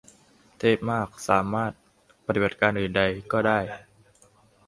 เทพมาก สามารถ "ปฏิบัติการอื่นใด" ก็ได้